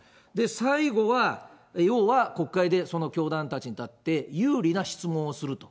最後は、要は国会でその教団たちにとって有利な質問をすると。